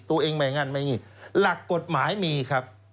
ตัวเองไม่งั้นไม่งัดหลักกฎหมายมีครับ